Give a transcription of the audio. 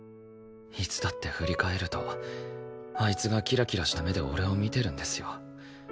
いつだって振り返るとあいつがキラキラした目で俺を見てるんですよ。